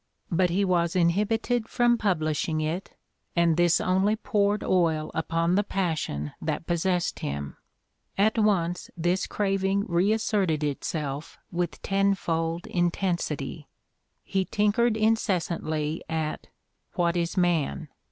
But he was inhibited from publishing it and this only poured oil upon the passion that possessed him. At once this craving reasserted itself with tenfold intensity. He tinkered incessantly at "What Is Man?"